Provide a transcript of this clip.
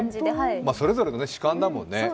それぞれの主観だもんね。